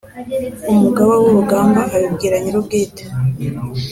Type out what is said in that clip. umugaba wurugamba abibwira nyirubwite